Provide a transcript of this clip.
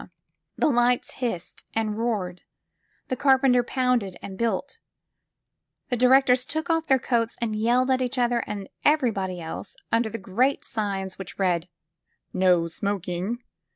201 SQUARE PEGGY The lights hissed and roared; the carpenter pounded and built; the directors took off their coats and yelled at each other and everybody else ; under the great signs which read No smoking!"